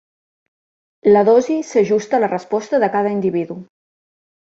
La dosi s'ajusta a la resposta de cada individu.